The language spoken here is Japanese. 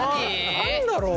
何だろう？